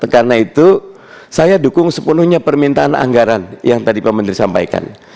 karena itu saya dukung sepenuhnya permintaan anggaran yang tadi pak menteri sampaikan